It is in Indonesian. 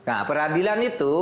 nah peradilan itu